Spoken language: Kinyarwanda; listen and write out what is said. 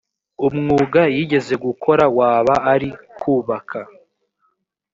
umwuga yigeze gukora waba ari kubaka